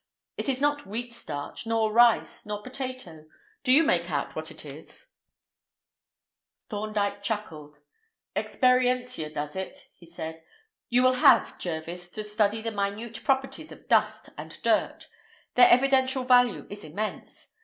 It is not wheat starch, nor rice, nor potato. Do you make out what it is?" FLUFF FROM KEY BARREL, MAGNIFIED 77 DIAMETERS. Thorndyke chuckled. "Experientia does it," said he. "You will have, Jervis, to study the minute properties of dust and dirt. Their evidential value is immense.